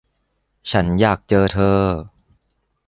ฉันอยากเจอเธอ